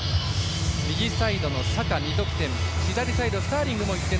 右サイドのサカ、２得点。